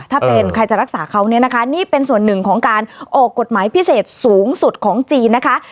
ถ้าเป็นใครจะรักษาเขาเนี่ยนะคะนี่เป็นส่วนหนึ่งของการออกกฎหมายพิเศษสูงสุดของจีนนะคะ